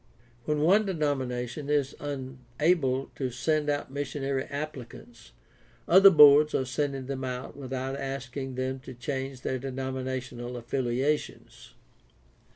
When one denomination is unable to send out mis sionary applicants, other boards are sending them without asking them to change their denominational affiliations.